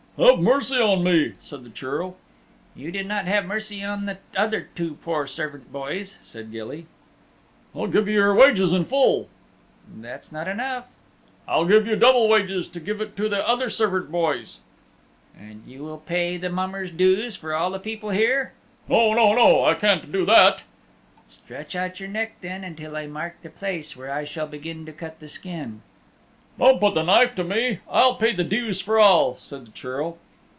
"Have mercy on me," said the Churl. "You did not have mercy on the other two poor servant boys," said Gilly. "I'll give you your wages in full." "That's not enough." "I'll give you double wages to give to the other servant boys." "And will you pay the mummers' dues for all the people here?" "No, no, no. I can't do that." "Stretch out your neck then until I mark the place where I shall begin to cut the skin." "Don't put the knife to me. I'll pay the dues for all," said the Churl.